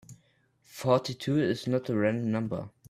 Forty-two is not a random number.